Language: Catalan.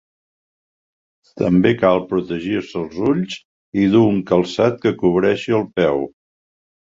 També cal protegir-se els ulls i dur un calçat que cobreixi el peu.